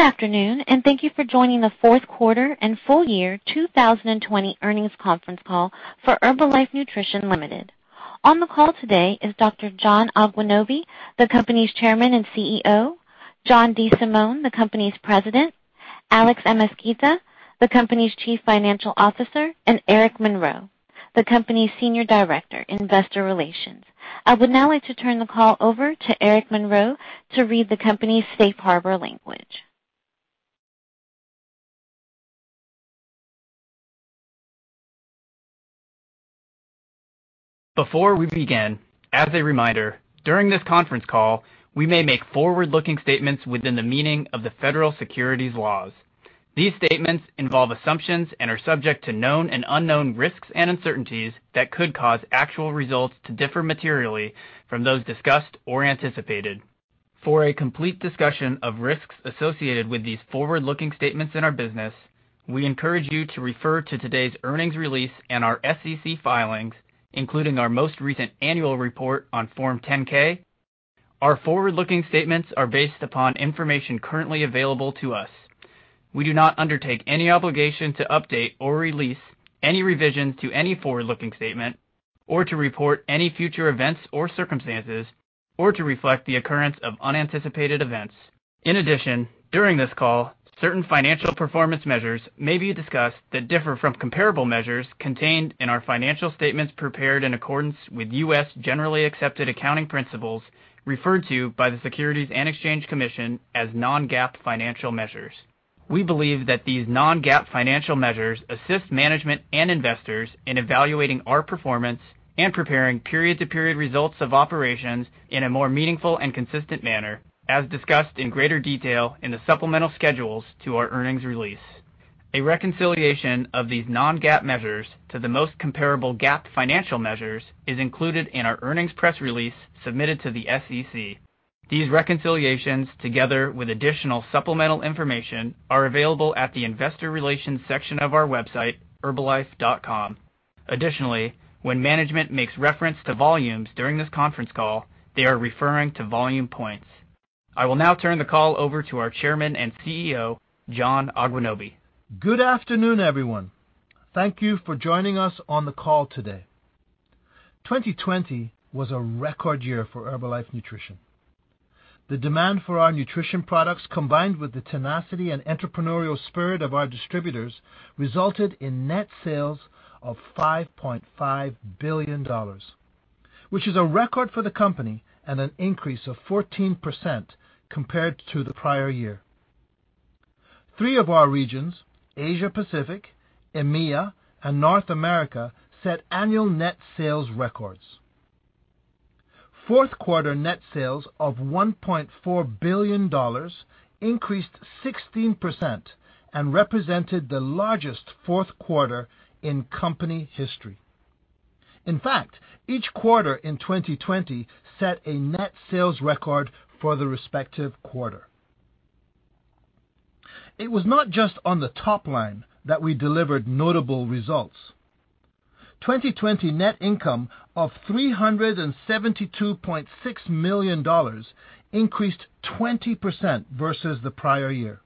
Good afternoon, and thank you for joining the fourth quarter and full year 2020 earnings conference call for Herbalife Nutrition Ltd. On the call today is Dr. John Agwunobi, the company's Chairman and CEO, John DeSimone, the company's President, Alex Amezquita, the company's Chief Financial Officer, and Eric Monroe, the company's Senior Director, Investor Relations. I would now like to turn the call over to Eric Monroe to read the company's safe harbor language. Before we begin, as a reminder, during this conference call, we may make forward-looking statements within the meaning of the federal securities laws. These statements involve assumptions and are subject to known and unknown risks and uncertainties that could cause actual results to differ materially from those discussed or anticipated. For a complete discussion of risks associated with these forward-looking statements in our business, we encourage you to refer to today's earnings release and our SEC filings, including our most recent annual report on Form 10-K. Our forward-looking statements are based upon information currently available to us. We do not undertake any obligation to update or release any revisions to any forward-looking statement or to report any future events or circumstances or to reflect the occurrence of unanticipated events. In addition, during this call, certain financial performance measures may be discussed that differ from comparable measures contained in our financial statements prepared in accordance with U.S. GAAP referred to by the Securities and Exchange Commission as non-GAAP financial measures. We believe that these non-GAAP financial measures assist management and investors in evaluating our performance and preparing period-to-period results of operations in a more meaningful and consistent manner, as discussed in greater detail in the supplemental schedules to our earnings release. A reconciliation of these non-GAAP measures to the most comparable GAAP financial measures is included in our earnings press release submitted to the SEC. These reconciliations, together with additional supplemental information, are available at the investor relations section of our website, herbalife.com. Additionally, when management makes reference to volumes during this conference call, they are referring to volume points. I will now turn the call over to our Chairman and CEO, John Agwunobi. Good afternoon, everyone. Thank you for joining us on the call today. 2020 was a record year for Herbalife Nutrition. The demand for our nutrition products, combined with the tenacity and entrepreneurial spirit of our distributors, resulted in net sales of $5.5 billion, which is a record for the company and an increase of 14% compared to the prior year. Three of our regions, Asia Pacific, EMEA, and North America, set annual net sales records. Fourth quarter net sales of $1.4 billion increased 16% and represented the largest fourth quarter in company history. In fact, each quarter in 2020 set a net sales record for the respective quarter. It was not just on the top line that we delivered notable results. 2020 net income of $372.6 million increased 20% versus the prior year.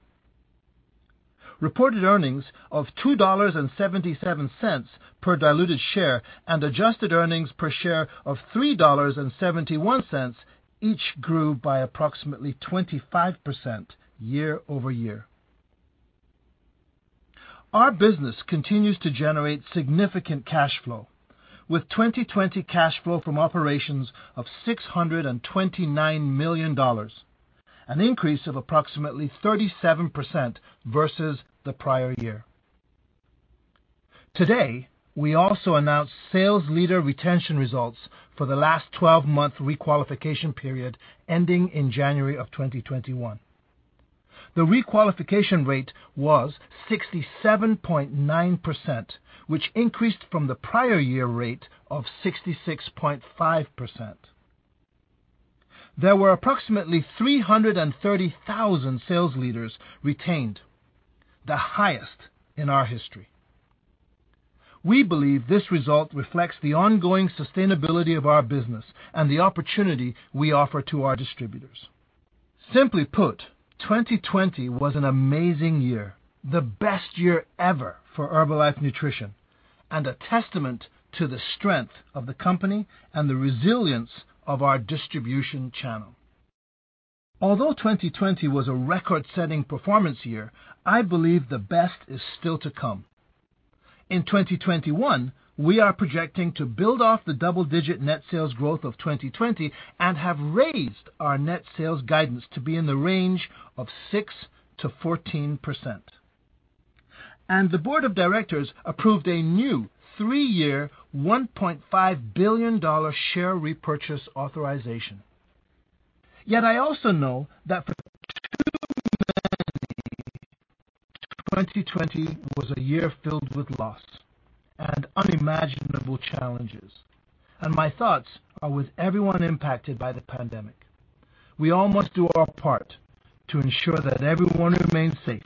Reported earnings of $2.77 per diluted share and adjusted earnings per share of $3.71 each grew by approximately 25% year-over-year. Our business continues to generate significant cash flow, with 2020 cash flow from operations of $629 million, an increase of approximately 37% versus the prior year. Today, we also announced sales leader retention results for the last 12-month requalification period ending in January of 2021. The requalification rate was 67.9%, which increased from the prior year rate of 66.5%. There were approximately 330,000 sales leaders retained, the highest in our history. We believe this result reflects the ongoing sustainability of our business and the opportunity we offer to our distributors. Simply put, 2020 was an amazing year, the best year ever for Herbalife Nutrition, and a testament to the strength of the company and the resilience of our distribution channel. Although 2020 was a record-setting performance year, I believe the best is still to come. In 2021, we are projecting to build off the double-digit net sales growth of 2020 and have raised our net sales guidance to be in the range of 6%-14%. The board of directors approved a new three-year, $1.5 billion share repurchase authorization. Yet I also know that for too many, 2020 was a year filled with loss and unimaginable challenges, and my thoughts are with everyone impacted by the pandemic. We all must do our part to ensure that everyone remains safe.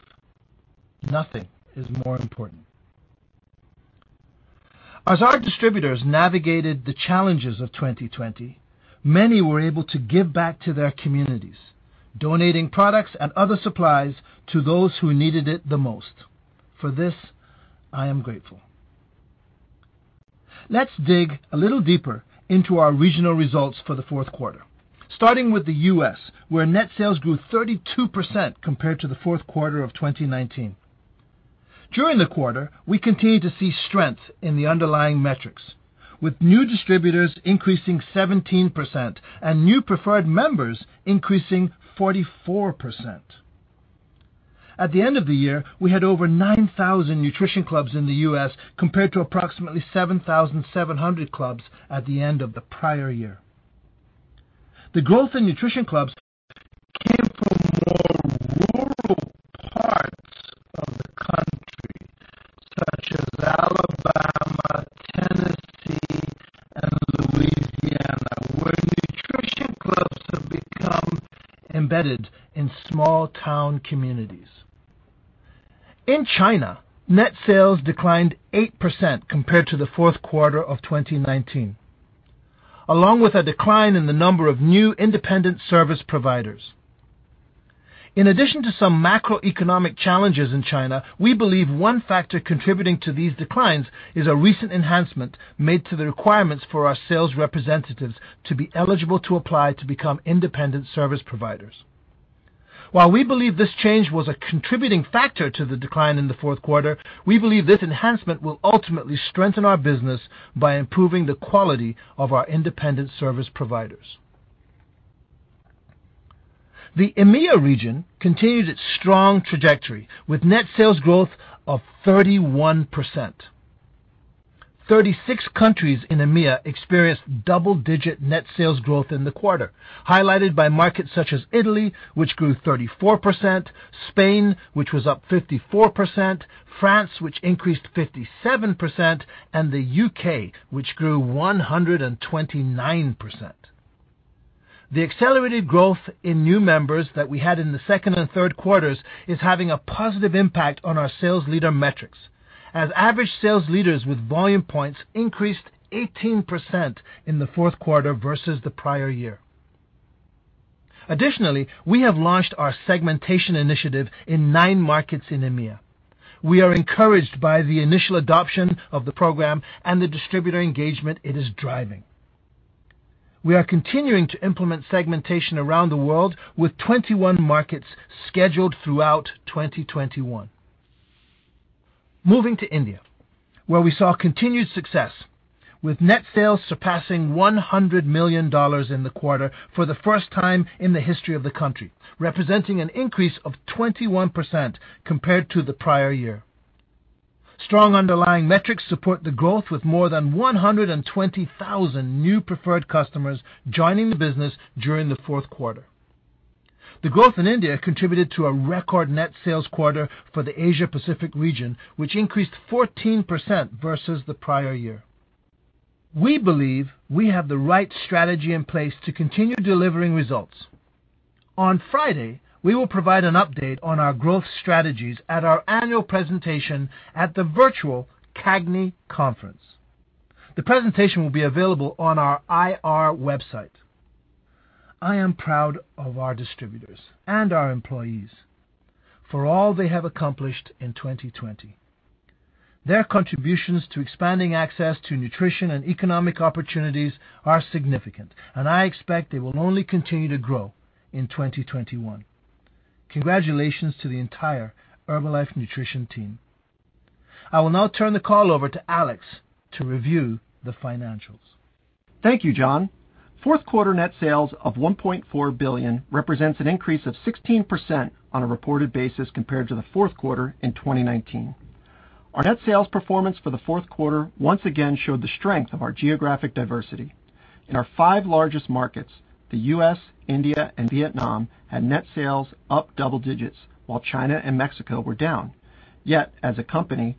Nothing is more important. As our distributors navigated the challenges of 2020, many were able to give back to their communities, donating products and other supplies to those who needed it the most. For this, I am grateful. Let's dig a little deeper into our regional results for the fourth quarter, starting with the U.S., where net sales grew 32% compared to the fourth quarter of 2019. During the quarter, we continued to see strength in the underlying metrics, with new distributors increasing 17% and new preferred members increasing 44%. At the end of the year, we had over 9,000 Nutrition Clubs in the U.S. compared to approximately 7,700 clubs at the end of the prior year. The growth in Nutrition Clubs came from more rural parts of the country, such as Alabama, Tennessee, and Louisiana, where Nutrition Clubs have become embedded in small-town communities. In China, net sales declined 8% compared to the fourth quarter of 2019, along with a decline in the number of new independent service providers. In addition to some macroeconomic challenges in China, we believe one factor contributing to these declines is a recent enhancement made to the requirements for our sales representatives to be eligible to apply to become independent service providers. While we believe this change was a contributing factor to the decline in the fourth quarter, we believe this enhancement will ultimately strengthen our business by improving the quality of our independent service providers. The EMEA region continued its strong trajectory with net sales growth of 31%. 36 countries in EMEA experienced double-digit net sales growth in the quarter, highlighted by markets such as Italy, which grew 34%, Spain, which was up 54%, France, which increased 57%, and the U.K., which grew 129%. The accelerated growth in new members that we had in the second and third quarters is having a positive impact on our sales leader metrics, as average sales leaders with volume points increased 18% in the fourth quarter versus the prior year. Additionally, we have launched our segmentation initiative in nine markets in EMEA. We are encouraged by the initial adoption of the program and the distributor engagement it is driving. We are continuing to implement segmentation around the world with 21 markets scheduled throughout 2021. Moving to India, where we saw continued success with net sales surpassing $100 million in the quarter for the first time in the history of the country, representing an increase of 21% compared to the prior year. Strong underlying metrics support the growth with more than 120,000 new preferred customers joining the business during the fourth quarter. The growth in India contributed to a record net sales quarter for the Asia-Pacific region, which increased 14% versus the prior year. We believe we have the right strategy in place to continue delivering results. On Friday, we will provide an update on our growth strategies at our annual presentation at the virtual CAGNY Conference. The presentation will be available on our IR website. I am proud of our distributors and our employees for all they have accomplished in 2020. Their contributions to expanding access to nutrition and economic opportunities are significant, and I expect they will only continue to grow in 2021. Congratulations to the entire Herbalife Nutrition team. I will now turn the call over to Alex to review the financials. Thank you, John. Fourth quarter net sales of $1.4 billion represents an increase of 16% on a reported basis compared to the fourth quarter in 2019. Our net sales performance for the fourth quarter once again showed the strength of our geographic diversity. In our five largest markets, the U.S., India, and Vietnam had net sales up double digits, while China and Mexico were down. Yet as a company,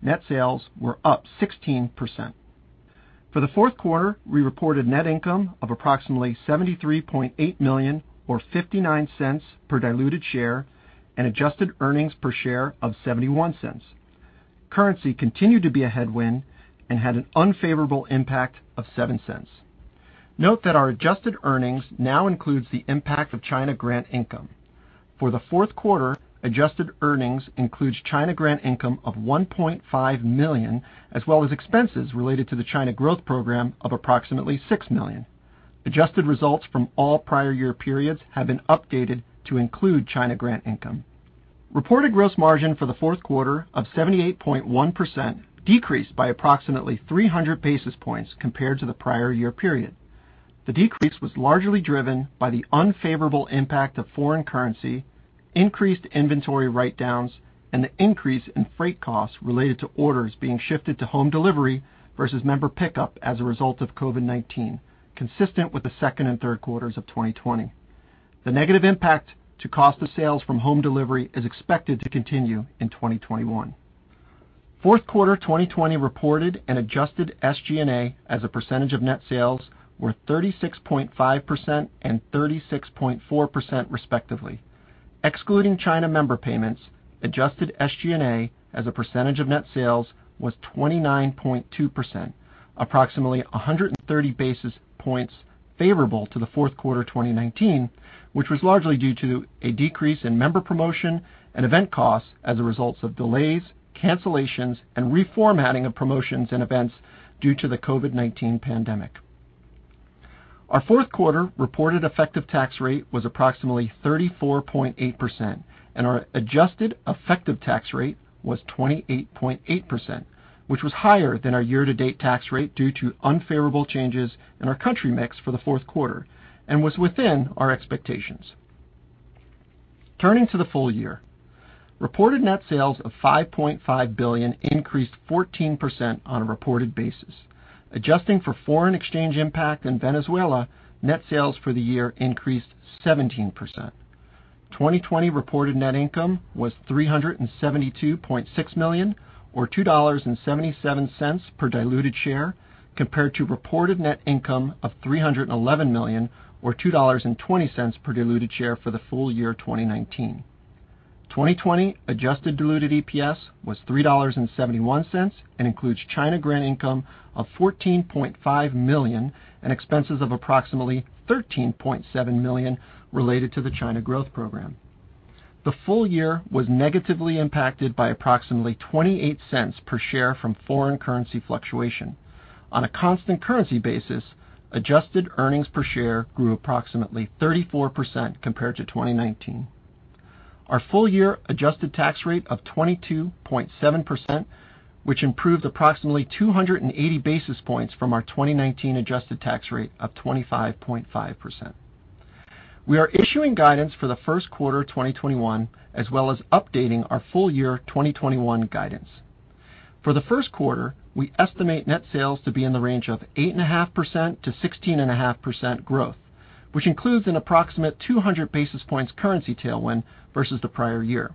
net sales were up 16%. For the fourth quarter, we reported net income of approximately $73.8 million or $0.59 per diluted share, and adjusted earnings per share of $0.71. Currency continued to be a headwind and had an unfavorable impact of $0.07. Note that our adjusted earnings now includes the impact of China grant income. For the fourth quarter, adjusted earnings includes China grant income of $1.5 million, as well as expenses related to the China growth program of approximately $6 million. Adjusted results from all prior year periods have been updated to include China grant income. Reported gross margin for the fourth quarter of 78.1% decreased by approximately 300 basis points compared to the prior year period. The decrease was largely driven by the unfavorable impact of foreign currency, increased inventory write-downs, and the increase in freight costs related to orders being shifted to home delivery versus member pickup as a result of COVID-19, consistent with the second and third quarters of 2020. The negative impact to cost of sales from home delivery is expected to continue in 2021. Fourth quarter 2020 reported and adjusted SG&A as a percentage of net sales were 36.5% and 36.4% respectively. Excluding China member payments, adjusted SG&A as a percentage of net sales was 29.2%, approximately 130 basis points favorable to the fourth quarter 2019, which was largely due to a decrease in member promotion and event costs as a result of delays, cancellations, and reformatting of promotions and events due to the COVID-19 pandemic. Our fourth quarter reported effective tax rate was approximately 34.8%, and our adjusted effective tax rate was 28.8%, which was higher than our year-to-date tax rate due to unfavorable changes in our country mix for the fourth quarter and was within our expectations. Turning to the full year. Reported net sales of $5.5 billion increased 14% on a reported basis. Adjusting for foreign exchange impact in Venezuela, net sales for the year increased 17%. 2020 reported net income was $372.6 million or $2.77 per diluted share, compared to reported net income of $311 million or $2.20 per diluted share for the full year 2019. 2020 adjusted diluted EPS was $3.71 and includes China grant income of $14.5 million and expenses of approximately $13.7 million related to the China Growth Program. The full year was negatively impacted by approximately $0.28 per share from foreign currency fluctuation. On a constant currency basis, adjusted earnings per share grew approximately 34% compared to 2019. Our full-year adjusted tax rate of 22.7%, which improved approximately 280 basis points from our 2019 adjusted tax rate of 25.5%. We are issuing guidance for the first quarter 2021, as well as updating our full-year 2021 guidance. For the first quarter, we estimate net sales to be in the range of 8.5%-16.5% growth, which includes an approximate 200 basis points currency tailwind versus the prior year.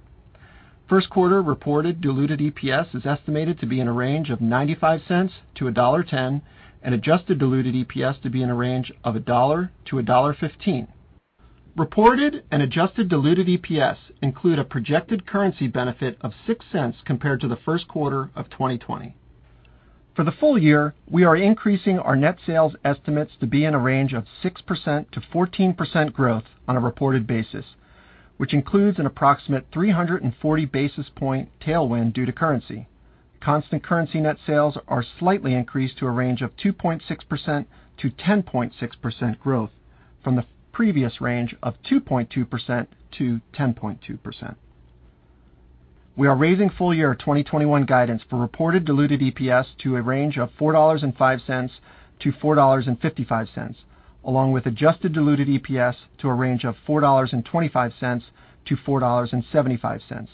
First quarter reported diluted EPS is estimated to be in a range of $0.95-$1.10, and adjusted diluted EPS to be in a range of $1-$1.15. Reported and adjusted diluted EPS include a projected currency benefit of $0.06 compared to the first quarter of 2020. For the full year, we are increasing our net sales estimates to be in a range of 6%-14% growth on a reported basis, which includes an approximate 340 basis point tailwind due to currency. Constant currency net sales are slightly increased to a range of 2.6%-10.6% growth from the previous range of 2.2%-10.2%. We are raising full-year 2021 guidance for reported diluted EPS to a range of $4.05-$4.55, along with adjusted diluted EPS to a range of $4.25-$4.75.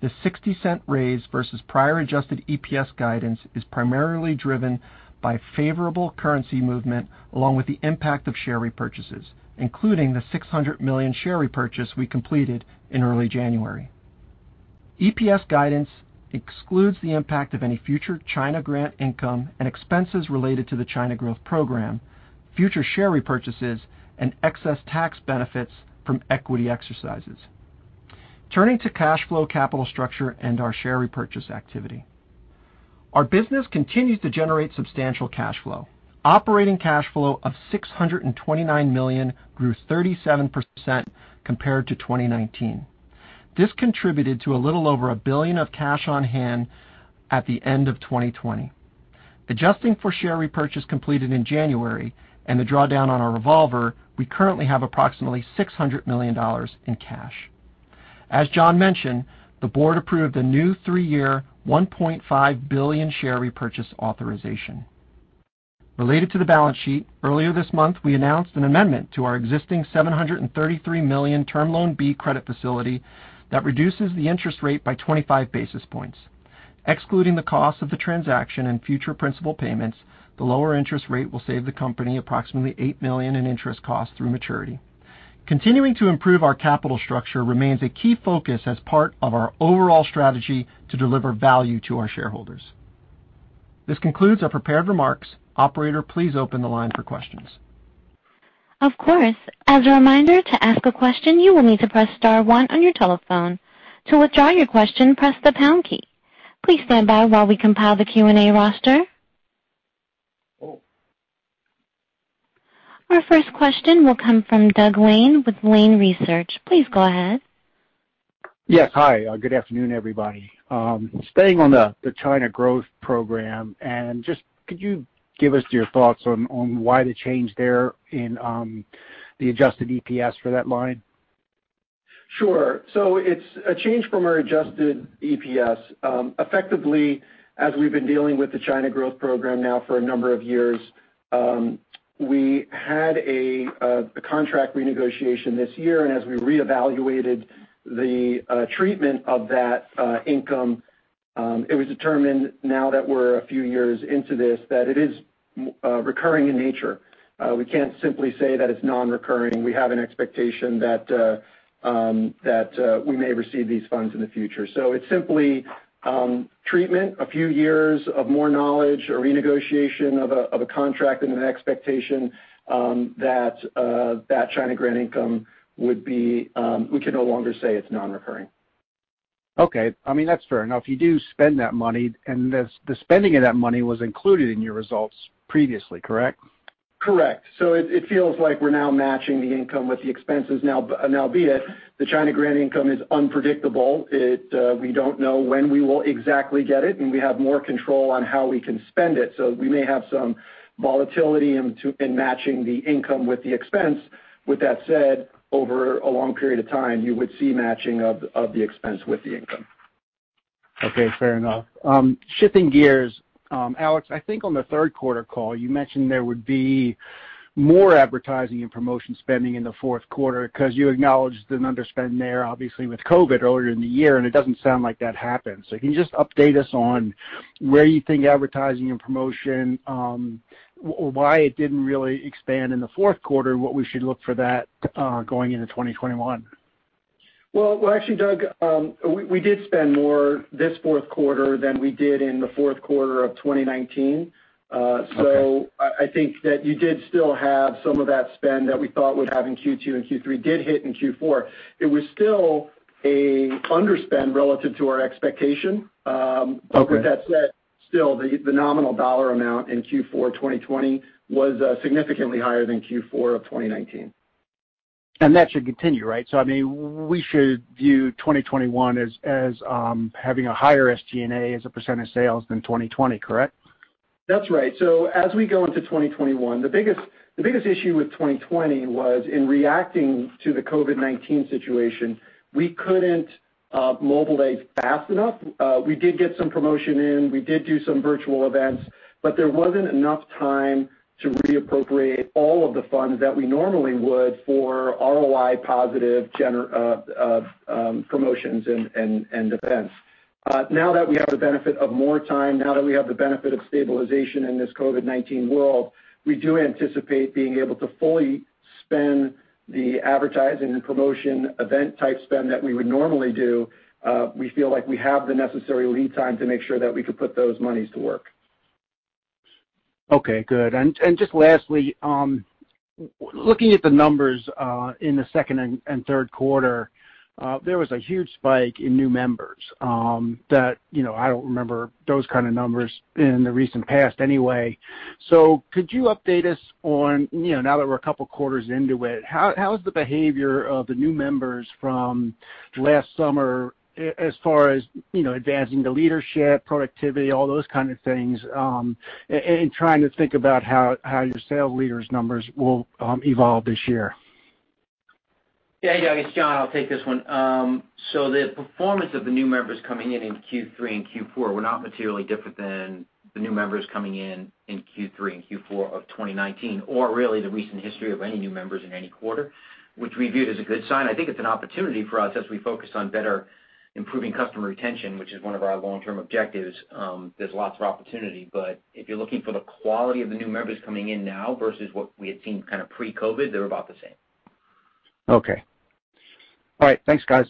The $0.60 raise versus prior adjusted EPS guidance is primarily driven by favorable currency movement along with the impact of share repurchases, including the $600 million share repurchase we completed in early January. EPS guidance excludes the impact of any future China grant income and expenses related to the China growth program, future share repurchases, and excess tax benefits from equity exercises. Turning to cash flow capital structure and our share repurchase activity. Our business continues to generate substantial cash flow. Operating cash flow of $629 million grew 37% compared to 2019. This contributed to a little over $1 billion of cash on hand at the end of 2020. Adjusting for share repurchase completed in January and the drawdown on our revolver, we currently have approximately $600 million in cash. As John mentioned, the board approved a new three-year, $1.5 billion share repurchase authorization. Related to the balance sheet, earlier this month, we announced an amendment to our existing $733 million Term Loan B credit facility that reduces the interest rate by 25 basis points. Excluding the cost of the transaction and future principal payments, the lower interest rate will save the company approximately $8 million in interest costs through maturity. Continuing to improve our capital structure remains a key focus as part of our overall strategy to deliver value to our shareholders. This concludes our prepared remarks. Operator, please open the line for questions. Of course. As a reminder, to ask a question, you will need to press star one on your telephone. To withdraw your question, press the pound key. Please stand by while we compile the Q&A roster. Our first question will come from Doug Lane with Lane Research. Please go ahead. Yes. Hi. Good afternoon, everybody. Staying on the China growth program, just could you give us your thoughts on why the change there in the adjusted EPS for that line? Sure. It's a change from our adjusted EPS. Effectively, as we've been dealing with the China growth program now for a number of years, we had a contract renegotiation this year. As we reevaluated the treatment of that income, it was determined now that we're a few years into this that it is recurring in nature. We can't simply say that it's non-recurring. We have an expectation that we may receive these funds in the future. It's simply treatment, a few years of more knowledge, a renegotiation of a contract, and an expectation that China grant income. We can no longer say it's non-recurring. Okay. That's fair enough. You do spend that money, and the spending of that money was included in your results previously, correct? Correct. It feels like we're now matching the income with the expenses now, albeit the China grant income is unpredictable. We don't know when we will exactly get it, and we have more control on how we can spend it, so we may have some volatility in matching the income with the expense. With that said, over a long period of time, you would see matching of the expense with the income. Okay, fair enough. Shifting gears, Alex, I think on the third quarter call, you mentioned there would be more advertising and promotion spending in the fourth quarter because you acknowledged an underspend there, obviously with COVID-19 earlier in the year, and it doesn't sound like that happened. Can you just update us on where you think advertising and promotion, or why it didn't really expand in the fourth quarter, and what we should look for that going into 2021? Well, actually, Doug, we did spend more this fourth quarter than we did in the fourth quarter of 2019. Okay. I think that you did still have some of that spend that we thought would have in Q2 and Q3 did hit in Q4. It was still a underspend relative to our expectation. Okay. With that said, still, the nominal dollar amount in Q4 2020 was significantly higher than Q4 of 2019. That should continue, right? We should view 2021 as having a higher SG&A as a % of sales than 2020, correct? That's right. As we go into 2021, the biggest issue with 2020 was in reacting to the COVID-19 situation, we couldn't mobilize fast enough. We did get some promotion in, we did do some virtual events, but there wasn't enough time to reappropriate all of the funds that we normally would for ROI positive promotions and events. Now that we have the benefit of more time, now that we have the benefit of stabilization in this COVID-19 world, we do anticipate being able to fully spend the advertising and promotion event type spend that we would normally do. We feel like we have the necessary lead time to make sure that we could put those monies to work. Okay, good. Just lastly, looking at the numbers in the second and third quarter, there was a huge spike in new members that I don't remember those kind of numbers in the recent past anyway. Could you update us on, now that we're a couple of quarters into it, how is the behavior of the new members from last summer as far as advancing to leadership, productivity, all those kind of things, and trying to think about how your sales leaders numbers will evolve this year? Yeah. Hey, Doug, it's John. I'll take this one. The performance of the new members coming in in Q3 and Q4 were not materially different than the new members coming in in Q3 and Q4 of 2019, or really the recent history of any new members in any quarter, which we viewed as a good sign. I think it's an opportunity for us as we focus on better improving customer retention, which is one of our long-term objectives. There's lots of opportunity, but if you're looking for the quality of the new members coming in now versus what we had seen kind of pre-COVID-19, they're about the same. Okay. All right. Thanks, guys.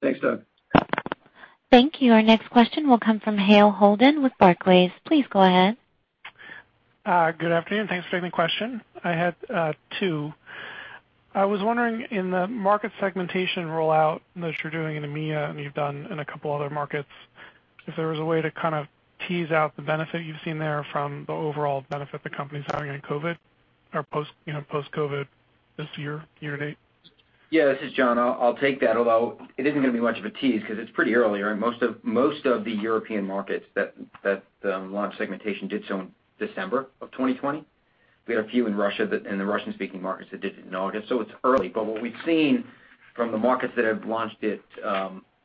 Thanks, Doug. Thank you. Our next question will come from Hale Holden with Barclays. Please go ahead. Good afternoon. Thanks for taking the question. I had two. I was wondering in the market segmentation rollout that you're doing in EMEA and you've done in a couple other markets, if there was a way to kind of tease out the benefit you've seen there from the overall benefit the company's having on COVID or post-COVID this year to date. This is John. I'll take that, although it isn't going to be much of a tease because it's pretty early. Most of the European markets that launched segmentation did so in December of 2020. We had a few in Russia and the Russian-speaking markets that did it in August, it's early. What we've seen from the markets that have launched it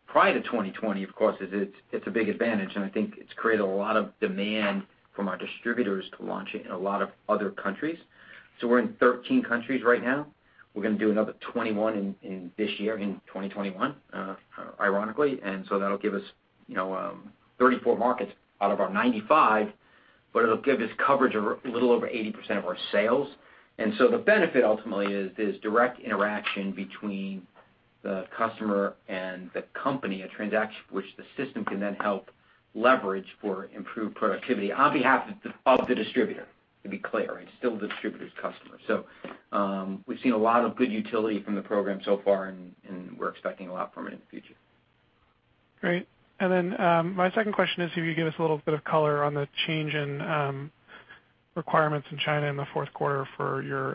prior to 2020, of course, is it's a big advantage, and I think it's created a lot of demand from our distributors to launch it in a lot of other countries. We're in 13 countries right now. We're going to do another 21 in this year, in 2021, ironically, that'll give us 34 markets out of our 95, it'll give us coverage of a little over 80% of our sales. The benefit ultimately is direct interaction between the customer and the company, a transaction which the system can then help leverage for improved productivity on behalf of the distributor, to be clear. It's still the distributor's customer. We've seen a lot of good utility from the program so far, and we're expecting a lot from it in the future. Great. My second question is if you could give us a little bit of color on the change in requirements in China in the fourth quarter for your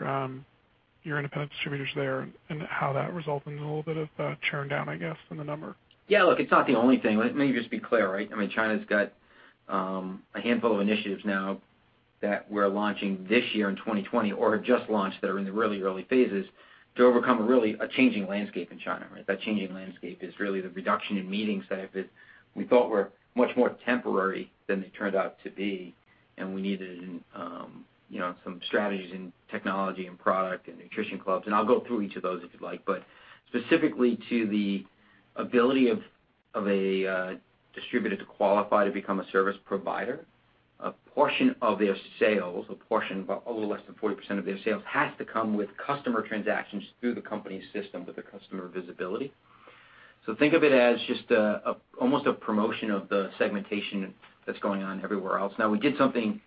independent distributors there and how that resulted in a little bit of churn down, I guess, in the number. Look, it's not the only thing. Let me just be clear. China's got a handful of initiatives now that we're launching this year in 2020 or have just launched that are in the really early phases to overcome really a changing landscape in China. That changing landscape is really the reduction in meeting sizes we thought were much more temporary than they turned out to be, and we needed some strategies in technology and product and Nutrition Clubs, and I'll go through each of those if you'd like. Specifically to the ability of a distributor to qualify to become a service provider, a portion of their sales, a portion, but a little less than 40% of their sales, has to come with customer transactions through the company's system with the customer visibility. Think of it as just almost a promotion of the segmentation that's going on everywhere else. Now, we did something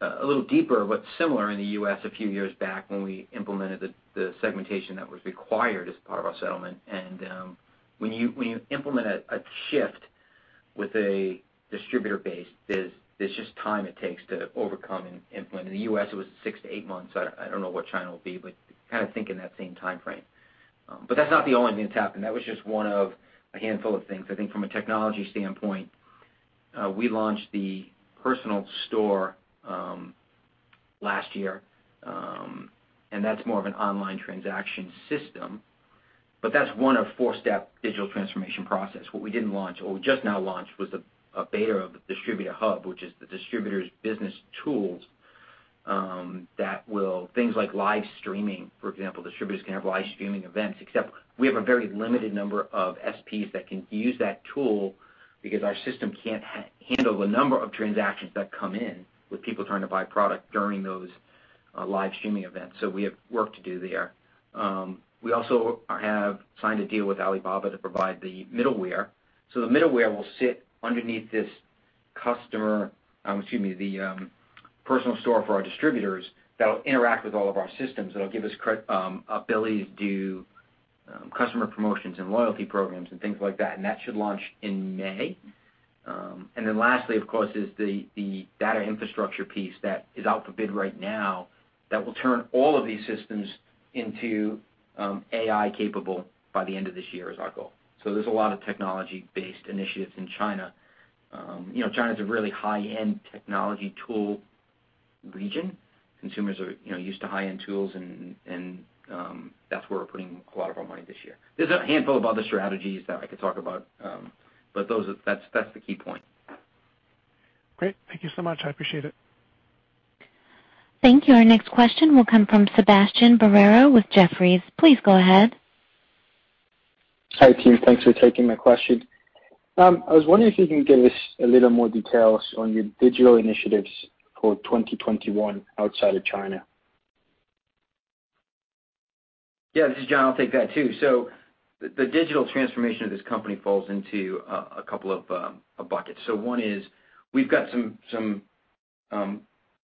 a little deeper, but similar in the U.S. a few years back when we implemented the segmentation that was required as part of our settlement. When you implement a shift with a distributor base, there's just time it takes to overcome and implement. In the U.S., it was six to eight months. I don't know what China will be, but kind of think in that same timeframe. That's not the only thing that's happened. That was just one of a handful of things. I think from a technology standpoint, we launched the personal store last year, and that's more of an online transaction system. That's one of four-step digital transformation process. What we didn't launch, or we just now launched, was a beta of the distributor hub, which is the distributor's business tools that will Things like live streaming. For example, distributors can have live streaming events. Except we have a very limited number of SPs that can use that tool because our system can't handle the number of transactions that come in with people trying to buy product during those live streaming events. We have work to do there. We also have signed a deal with Alibaba to provide the middleware. The middleware will sit underneath this personal store for our distributors that'll interact with all of our systems. That'll give us ability to do customer promotions and loyalty programs and things like that. That should launch in May. Lastly, of course, is the data infrastructure piece that is out for bid right now that will turn all of these systems into AI capable by the end of this year is our goal. There's a lot of technology based initiatives in China. China's a really high-end technology tool region. Consumers are used to high-end tools, and that's where we're putting a lot of our money this year. There's a handful of other strategies that I could talk about. That's the key point. Great. Thank you so much. I appreciate it. Thank you. Our next question will come from Sebastian Barbero with Jefferies. Please go ahead. Hi, team. Thanks for taking my question. I was wondering if you can give us a little more details on your digital initiatives for 2021 outside of China. Yeah. This is John, I'll take that, too. The digital transformation of this company falls into a couple of buckets. One is we've got some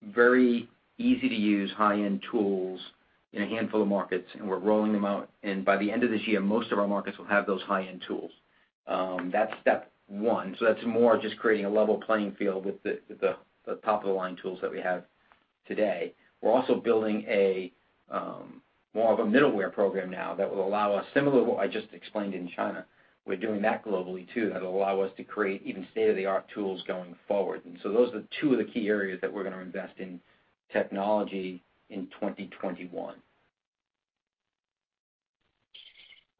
very easy-to-use high-end tools in a handful of markets, and we're rolling them out. By the end of this year, most of our markets will have those high-end tools. That's step one. That's more just creating a level playing field with the top of the line tools that we have today. We're also building more of a middleware program now that will allow us, similar to what I just explained in China, we're doing that globally, too. That'll allow us to create even state-of-the-art tools going forward. Those are two of the key areas that we're going to invest in technology in 2021.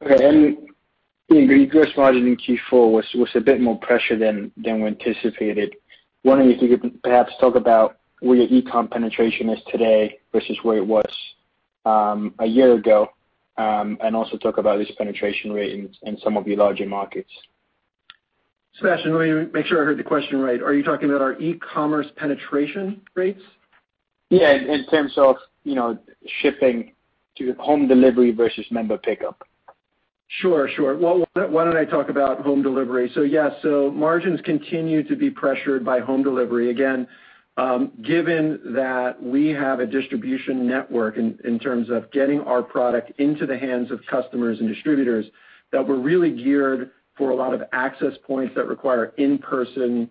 Okay. Your gross margin in Q4 was a bit more pressure than we anticipated. Wondering if you could perhaps talk about where your e-com penetration is today versus where it was a year ago. Also talk about this penetration rate in some of your larger markets. Sebastian, let me make sure I heard the question right. Are you talking about our e-commerce penetration rates? Yeah. In terms of shipping to home delivery versus member pickup. Sure. Why don't I talk about home delivery? Yes, so margins continue to be pressured by home delivery. Again, given that we have a distribution network in terms of getting our product into the hands of customers and distributors that were really geared for a lot of access points that require in-person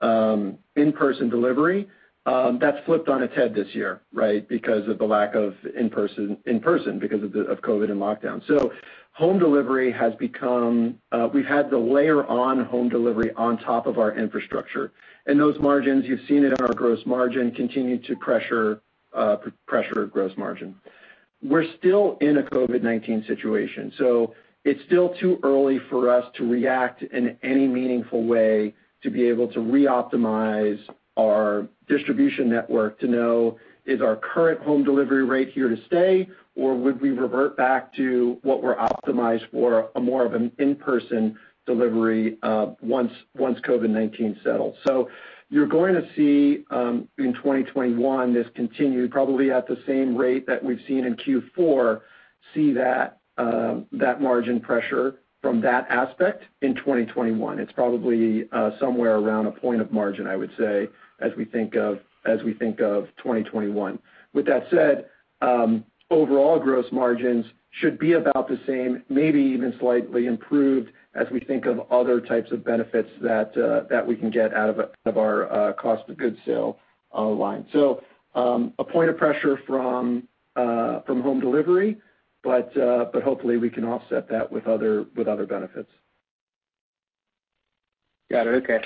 delivery. That's flipped on its head this year, right, because of the lack of in-person because of COVID-19 and lockdown. Home delivery We've had to layer on home delivery on top of our infrastructure. Those margins, you've seen it in our gross margin, continue to pressure gross margin. We're still in a COVID-19 situation, so it's still too early for us to react in any meaningful way to be able to re-optimize our distribution network to know, is our current home delivery rate here to stay, or would we revert back to what we're optimized for a more of an in-person delivery once COVID-19 settles? You're going to see, in 2021, this continue probably at the same rate that we've seen in Q4, see that margin pressure from that aspect in 2021. It's probably somewhere around a point of margin, I would say, as we think of 2021. With that said, overall gross margins should be about the same, maybe even slightly improved as we think of other types of benefits that we can get out of our cost of goods sold online. A point of pressure from home delivery, but hopefully we can offset that with other benefits. Got it. Okay.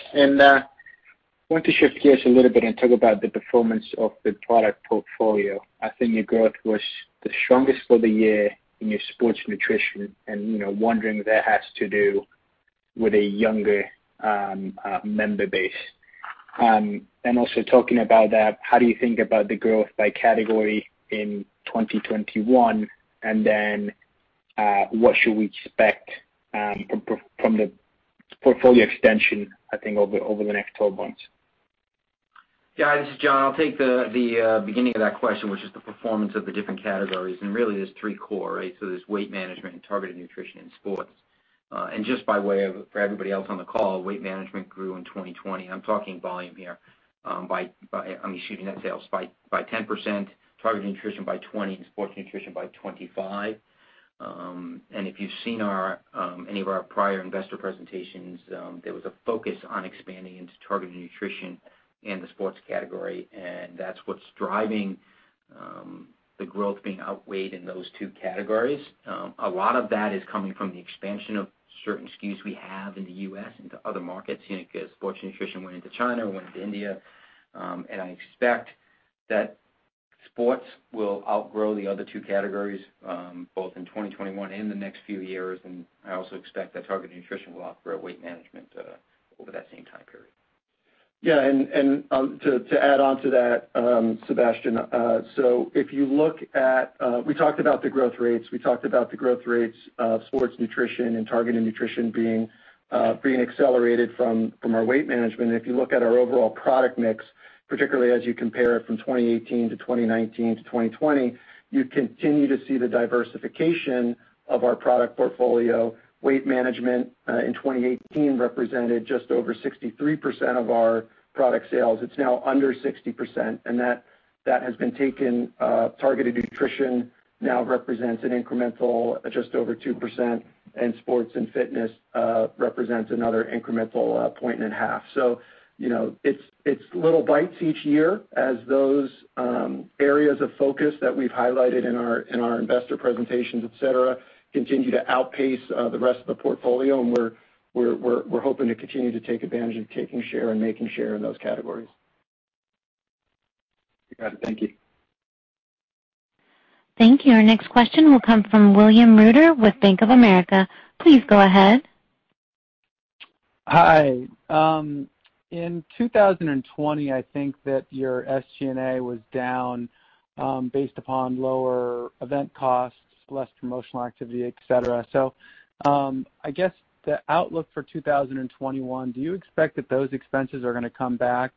I want to shift gears a little bit and talk about the performance of the product portfolio. I think your growth was the strongest for the year in your sports nutrition, and wondering if that has to do with a younger member base. Also talking about that, how do you think about the growth by category in 2021, and then what should we expect from the portfolio extension, I think over the next 12 months? Yeah. This is John. I'll take the beginning of that question, which is the performance of the different categories. Really, there's three core, right? There's weight management and targeted nutrition and sports. Just by way of, for everybody else on the call, weight management grew in 2020, I'm talking volume here. I'm excluding net sales, by 10%, targeted nutrition by 20%, and sports nutrition by 25%. If you've seen any of our prior investor presentations, there was a focus on expanding into targeted nutrition and the sports category, and that's what's driving the growth being outweighed in those two categories. A lot of that is coming from the expansion of certain SKUs we have in the U.S. into other markets. Sports nutrition went into China, it went into India. I expect that sports will outgrow the other two categories, both in 2021 and the next few years. I also expect that targeted nutrition will outgrow weight management, over that same time period. To add on to that, Sebastian, if you look at the growth rates of sports nutrition and targeted nutrition being accelerated from our weight management. If you look at our overall product mix, particularly as you compare it from 2018-2019-2020, you continue to see the diversification of our product portfolio. Weight management, in 2018, represented just over 63% of our product sales. It's now under 60%, and that has been taken. Targeted nutrition now represents an incremental just over 2%, and sports and fitness represents another incremental 1.5 points. It's little bites each year as those areas of focus that we've highlighted in our investor presentations, et cetera, continue to outpace the rest of the portfolio, and we're hoping to continue to take advantage of taking share and making share in those categories. You got it. Thank you. Thank you. Our next question will come from William Reuter with Bank of America. Please go ahead. Hi. In 2020, I think that your SG&A was down, based upon lower event costs, less promotional activity, et cetera. I guess the outlook for 2021, do you expect that those expenses are going to come back?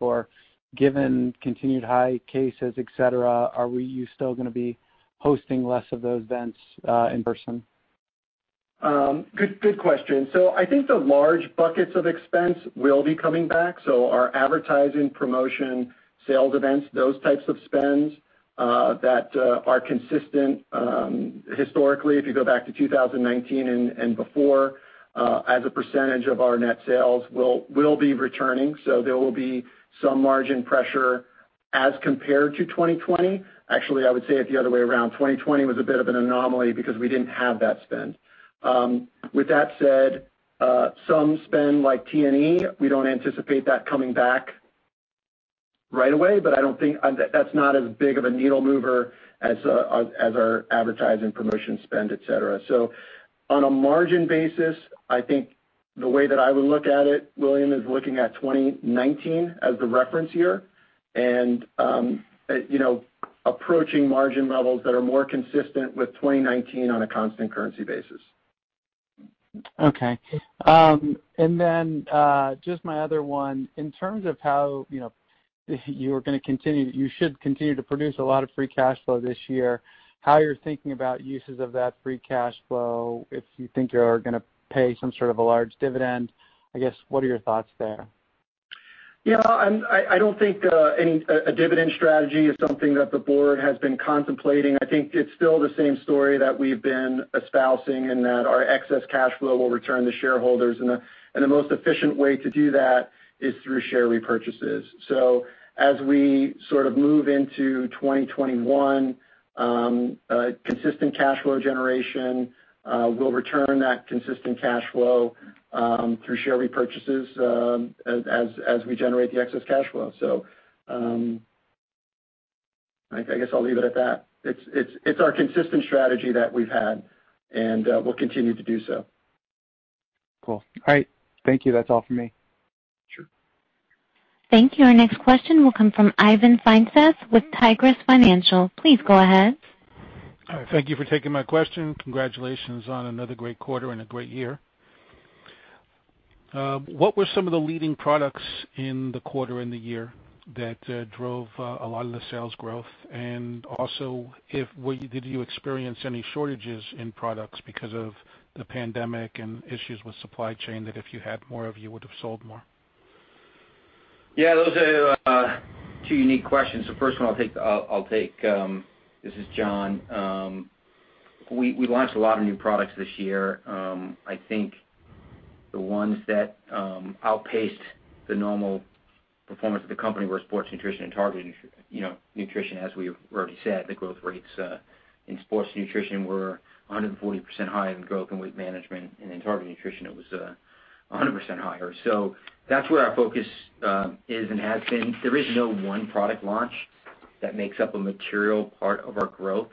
Given continued high cases, et cetera, are you still going to be hosting less of those events in person? Good question. I think the large buckets of expense will be coming back. Our advertising, promotion, sales events, those types of spends that are consistent historically, if you go back to 2019 and before, as a percentage of our net sales, will be returning. There will be some margin pressure as compared to 2020. Actually, I would say it the other way around. 2020 was a bit of an anomaly because we didn't have that spend. With that said, some spend, like T&E, we don't anticipate that coming back right away, but that's not as big of a needle mover as our advertising promotion spend, et cetera. On a margin basis, I think the way that I would look at it, William, is looking at 2019 as the reference year and approaching margin levels that are more consistent with 2019 on a constant currency basis. Okay. Just my other one, in terms of how you should continue to produce a lot of free cash flow this year, how you're thinking about uses of that free cash flow, if you think you're going to pay some sort of a large dividend, I guess, what are your thoughts there? I don't think a dividend strategy is something that the board has been contemplating. I think it's still the same story that we've been espousing, and that our excess cash flow will return to shareholders, and the most efficient way to do that is through share repurchases. As we sort of move into 2021, consistent cash flow generation, we'll return that consistent cash flow through share repurchases as we generate the excess cash flow. I guess I'll leave it at that. It's our consistent strategy that we've had, and we'll continue to do so. Cool. All right. Thank you. That's all for me. Sure. Thank you. Our next question will come from Ivan Feinseth with Tigress Financial. Please go ahead. All right. Thank you for taking my question. Congratulations on another great quarter and a great year. What were some of the leading products in the quarter and the year that drove a lot of the sales growth? Did you experience any shortages in products because of the pandemic and issues with supply chain, that if you had more of, you would've sold more? Yeah, those are two unique questions. First one, I'll take. This is John. We launched a lot of new products this year. I think the ones that outpaced the normal performance of the company were sports nutrition and targeted nutrition. As we've already said, the growth rates in sports nutrition were 140% higher than growth in weight management. In targeted nutrition, it was 100% higher. That's where our focus is and has been. There is no one product launch that makes up a material part of our growth.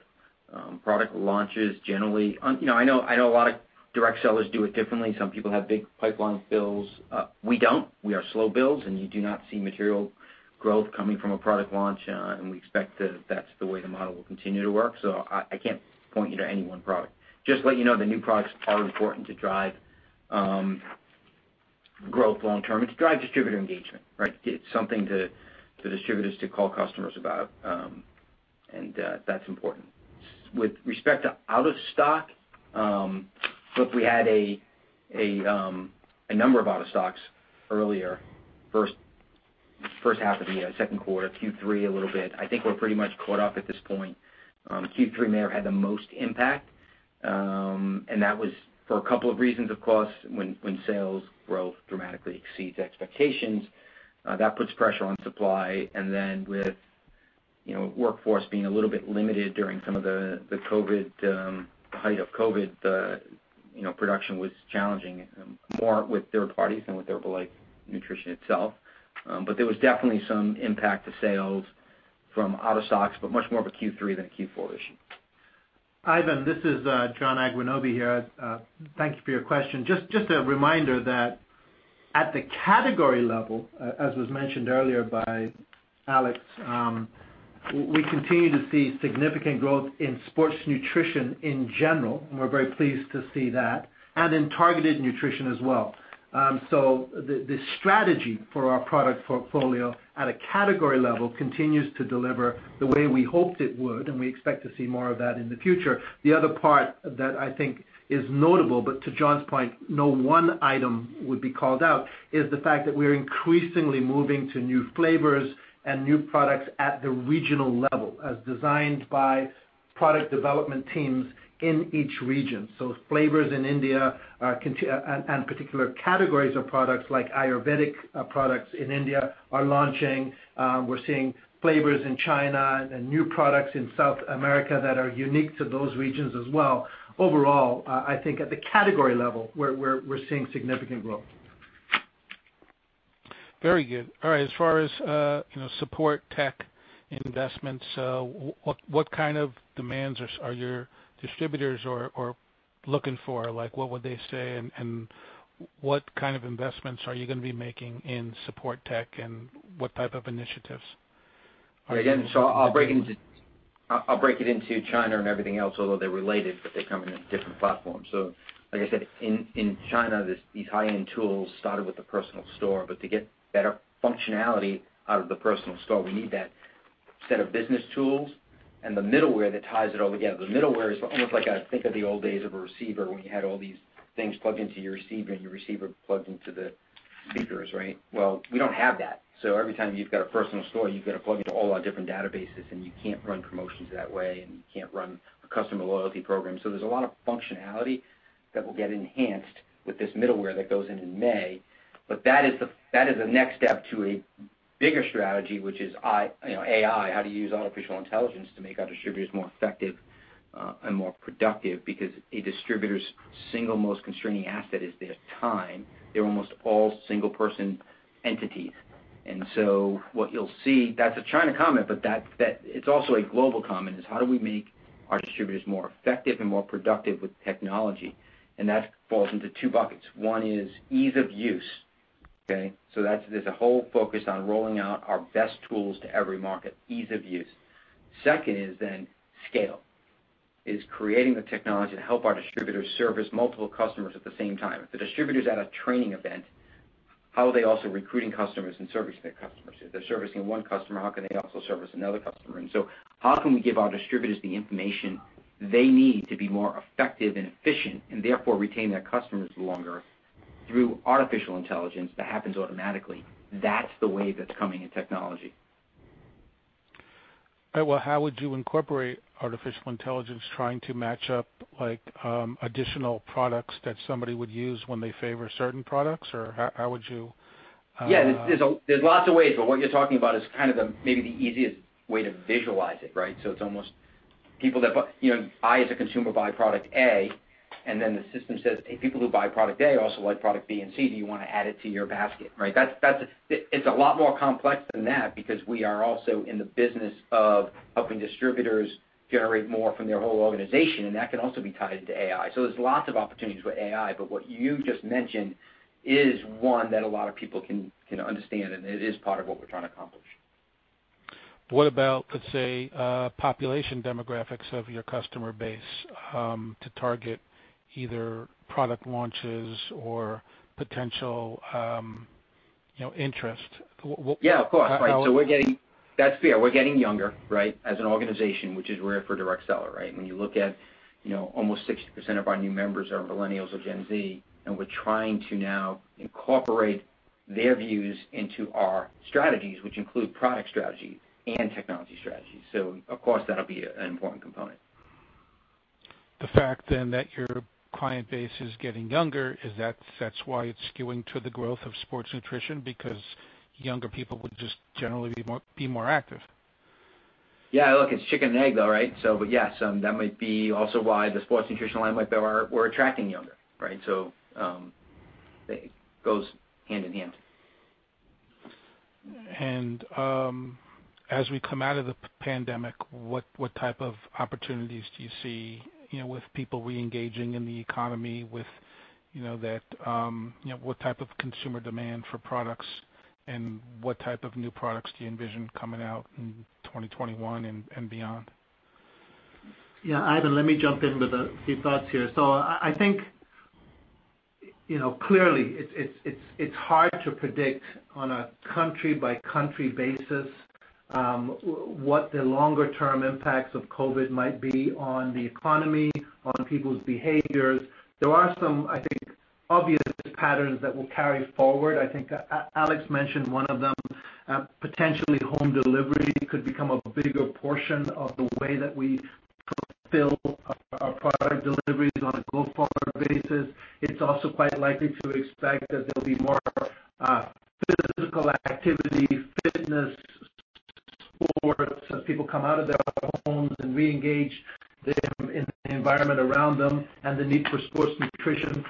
Product launches generally I know a lot of direct sellers do it differently. Some people have big pipeline builds. We don't. We are slow builds, and you do not see material growth coming from a product launch. We expect that that's the way the model will continue to work. I can't point you to any one product. Just to let you know, the new products are important to drive growth long term. It's to drive distributor engagement, right? It's something for the distributors to call customers about, and that's important. With respect to out of stock, look, we had a number of out of stocks earlier, first half of the second quarter, Q3 a little bit. I think we're pretty much caught up at this point. Q3 may have had the most impact, and that was for a couple of reasons, of course. When sales growth dramatically exceeds expectations, that puts pressure on supply. With workforce being a little bit limited during some of the height of COVID-19, production was challenging, more with third parties than with Herbalife Nutrition itself. There was definitely some impact to sales from out of stocks, but much more of a Q3 than a Q4 issue. Ivan, this is John Agwunobi here. Thank you for your question. Just a reminder that at the category level, as was mentioned earlier by Alex, we continue to see significant growth in sports nutrition in general, and we're very pleased to see that, and in targeted nutrition as well. The strategy for our product portfolio at a category level continues to deliver the way we hoped it would, and we expect to see more of that in the future. The other part that I think is notable, but to John's point, no one item would be called out, is the fact that we're increasingly moving to new flavors and new products at the regional level, as designed by product development teams in each region. Flavors in India, and particular categories of products like Ayurvedic products in India are launching. We're seeing flavors in China and new products in South America that are unique to those regions as well. Overall, I think at the category level, we're seeing significant growth. Very good. All right. As far as support tech investments, what kind of demands are your distributors looking for? What would they say, and what kind of investments are you going to be making in support tech, and what type of initiatives? I'll break it into China and everything else, although they're related, but they come in different platforms. Like I said, in China, these high-end tools started with the personal store, but to get better functionality out of the personal store, we need that set of business tools and the middleware that ties it all together. The middleware is almost like, think of the old days of a receiver, when you had all these things plugged into your receiver, and your receiver plugged into the speakers, right? Well, we don't have that. Every time you've got a personal store, you've got to plug into all our different databases, and you can't run promotions that way, and you can't run a customer loyalty program. There's a lot of functionality that will get enhanced with this middleware that goes in in May. That is the next step to a bigger strategy, which is AI, how to use artificial intelligence to make our distributors more effective and more productive, because a distributor's single most constraining asset is their time. They're almost all single-person entities. What you'll see, that's a China comment, but it's also a global comment, is how do we make our distributors more effective and more productive with technology? That falls into two buckets. One is ease of use, okay? There's a whole focus on rolling out our best tools to every market. Ease of use. Second is scale. Creating the technology to help our distributors service multiple customers at the same time. If the distributor's at a training event, how are they also recruiting customers and servicing their customers? If they're servicing one customer, how can they also service another customer? How can we give our distributors the information they need to be more effective and efficient and therefore retain their customers longer through artificial intelligence that happens automatically? That's the wave that's coming in technology. All right, well, how would you incorporate artificial intelligence trying to match up additional products that somebody would use when they favor certain products? Yeah, there's lots of ways, but what you're talking about is kind of maybe the easiest way to visualize it, right? I, as a consumer, buy product A, and then the system says, "Hey, people who buy product A also like product B and C. Do you want to add it to your basket?" Right? It's a lot more complex than that because we are also in the business of helping distributors generate more from their whole organization, and that can also be tied into AI. There's lots of opportunities with AI, but what you just mentioned is one that a lot of people can understand, and it is part of what we're trying to accomplish. What about, let's say, population demographics of your customer base to target either product launches or potential interest? Yeah, of course. Right. That's fair. We're getting younger, right, as an organization, which is rare for a direct seller, right? When you look at almost 60% of our new members are millennials or Gen Z, we're trying to now incorporate their views into our strategies, which include product strategy and technology strategy. Of course, that'll be an important component. The fact that your client base is getting younger, is that why it's skewing to the growth of sports nutrition? Because younger people would just generally be more active. Yeah, look, it's chicken and egg, though, right? But yeah. That might be also why the sports nutrition line, why we're attracting younger. Right? It goes hand in hand. As we come out of the pandemic, what type of opportunities do you see with people reengaging in the economy? What type of consumer demand for products and what type of new products do you envision coming out in 2021 and beyond? Yeah, Ivan, let me jump in with a few thoughts here. I think clearly it's hard to predict on a country-by-country basis what the longer-term impacts of COVID might be on the economy, on people's behaviors. There are some, I think, obvious patterns that will carry forward. I think Alex mentioned one of them, potentially home delivery could become a bigger portion of the way that we fulfill our product deliveries on a going-forward basis. It's also quite likely to expect that there'll be more physical activity, fitness, sports as people come out of their homes and reengage them in the environment around them and the need for sports nutrition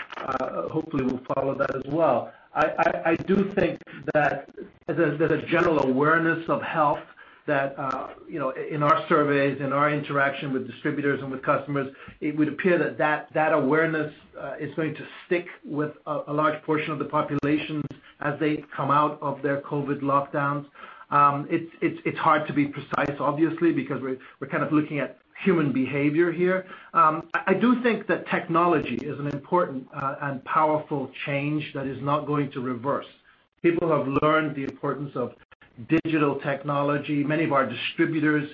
hopefully will follow that as well. I do think that there's a general awareness of health that, in our surveys, in our interaction with distributors and with customers, it would appear that awareness is going to stick with a large portion of the populations as they come out of their COVID lockdowns. It's hard to be precise, obviously, because we're kind of looking at human behavior here. I do think that technology is an important and powerful change that is not going to reverse. People have learned the importance of digital technology. Many of our distributors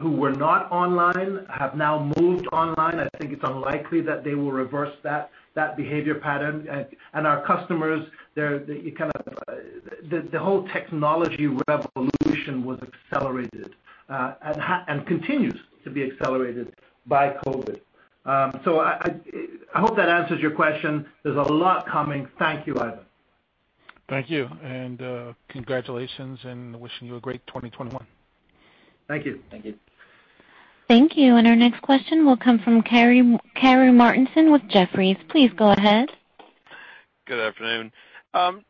who were not online have now moved online. I think it's unlikely that they will reverse that behavior pattern. Our customers, the whole technology revolution was accelerated, and continues to be accelerated by COVID. I hope that answers your question. There's a lot coming. Thank you, Ivan. Thank you, and congratulations, and wishing you a great 2021. Thank you. Thank you. Thank you. Our next question will come from Karru Martinson with Jefferies. Please go ahead. Good afternoon.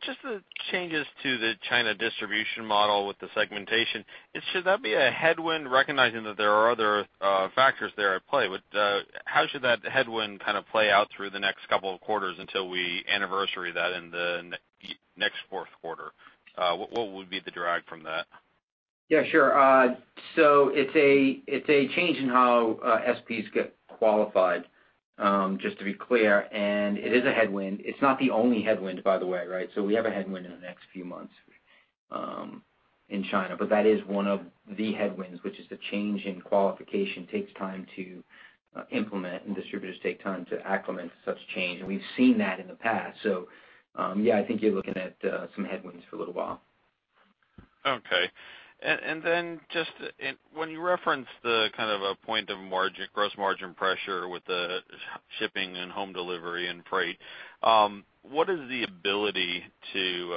Just the changes to the China distribution model with the segmentation. Should that be a headwind, recognizing that there are other factors there at play? How should that headwind kind of play out through the next couple of quarters until we anniversary that in the next fourth quarter? What would be the drag from that? Yeah, sure. It's a change in how SPs get qualified, just to be clear, and it is a headwind. It's not the only headwind, by the way. We have a headwind in the next few months in China. That is one of the headwinds, which is the change in qualification takes time to implement, and distributors take time to acclimate to such change. We've seen that in the past. Yeah, I think you're looking at some headwinds for a little while. Okay. Just when you reference the kind of a point of gross margin pressure with the shipping and home delivery and freight, what is the ability to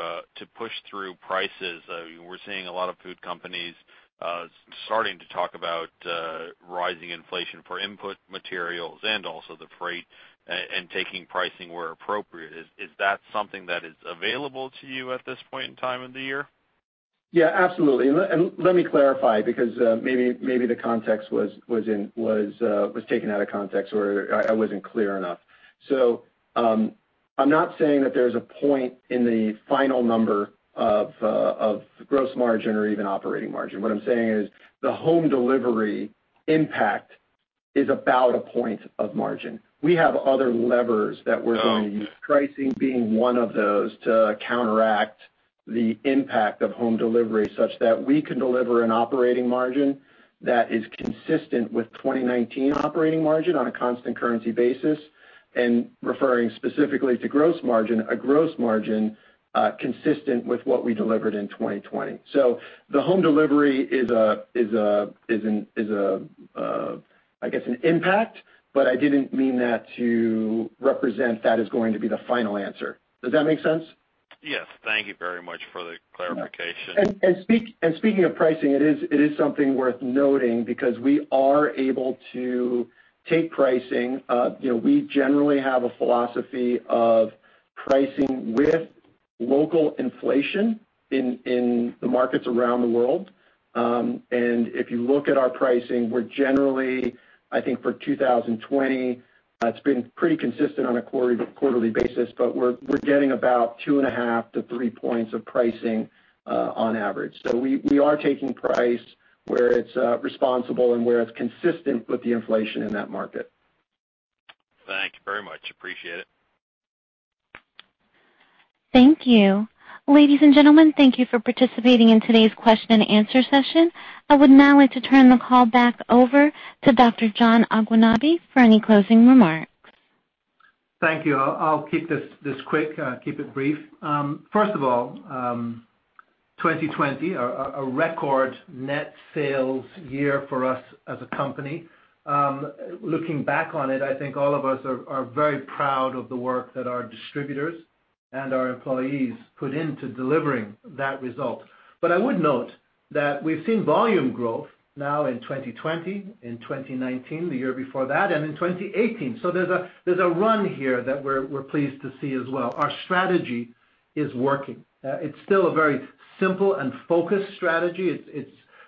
push through prices? We're seeing a lot of food companies starting to talk about rising inflation for input materials and also the freight and taking pricing where appropriate. Is that something that is available to you at this point in time of the year? Absolutely. Let me clarify, because maybe the context was taken out of context or I wasn't clear enough. I'm not saying that there's a point in the final number of gross margin or even operating margin. What I'm saying is the home delivery impact is about a point of margin. We have other levers that we're going to use, pricing being one of those, to counteract the impact of home delivery such that we can deliver an operating margin that is consistent with 2019 operating margin on a constant currency basis. Referring specifically to gross margin, a gross margin consistent with what we delivered in 2020. The home delivery is I guess an impact, but I didn't mean that to represent that is going to be the final answer. Does that make sense? Yes. Thank you very much for the clarification. Speaking of pricing, it is something worth noting because we are able to take pricing. We generally have a philosophy of pricing with local inflation in the markets around the world. If you look at our pricing, we're generally, I think for 2020, it's been pretty consistent on a quarterly basis, but we're getting about 2.5 points-3 points of pricing on average. We are taking price where it's responsible and where it's consistent with the inflation in that market. Thank you very much. Appreciate it. Thank you. Ladies and gentlemen, thank you for participating in today's question and answer session. I would now like to turn the call back over to Dr. John Agwunobi for any closing remarks. Thank you. I'll keep this quick, keep it brief. First of all, 2020, a record net sales year for us as a company. Looking back on it, I think all of us are very proud of the work that our distributors and our employees put into delivering that result. I would note that we've seen volume growth now in 2020, in 2019, the year before that, and in 2018. There's a run here that we're pleased to see as well. Our strategy is working. It's still a very simple and focused strategy.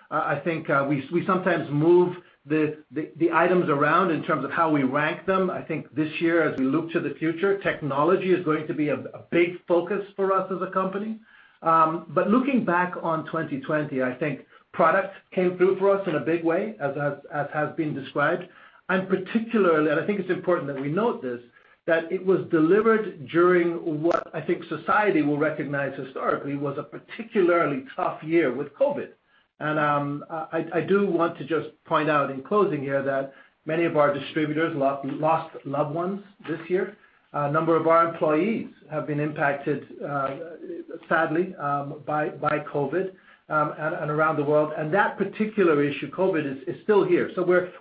I think we sometimes move the items around in terms of how we rank them. I think this year, as we look to the future, technology is going to be a big focus for us as a company. Looking back on 2020, I think products came through for us in a big way, as has been described. Particularly, and I think it's important that we note this, that it was delivered during what I think society will recognize historically was a particularly tough year with COVID. I do want to just point out in closing here that many of our distributors lost loved ones this year. A number of our employees have been impacted, sadly, by COVID and around the world. That particular issue, COVID, is still here.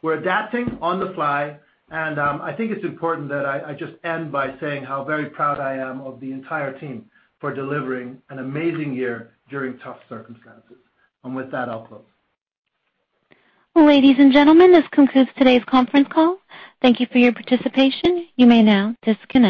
We're adapting on the fly, and I think it's important that I just end by saying how very proud I am of the entire team for delivering an amazing year during tough circumstances. With that, I'll close. Ladies and gentlemen, this concludes today's Conference Call. Thank you for your participation. You may now disconnect.